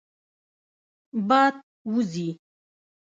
باد وزي.